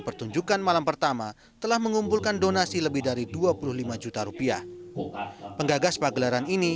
pertunjukan malam pertama telah mengumpulkan donasi lebih dari dua puluh lima juta rupiah penggagas pagelaran ini